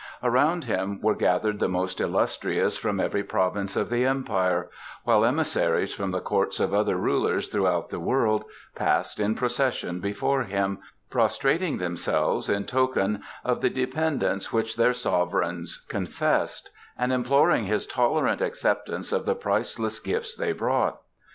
Around him were gathered the most illustrious from every province of the Empire, while emissaries from the courts of other rulers throughout the world passed in procession before him, prostrating themselves in token of the dependence which their sovereigns confessed, and imploring his tolerant acceptance of the priceless gifts they brought.